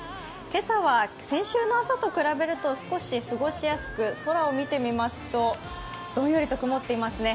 今朝は先週の朝と比べると、少し過ごしやすく空を見てみますと、どんよりと曇っていますね。